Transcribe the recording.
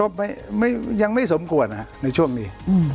ก็ยังไม่สมกวนในช่วงนี้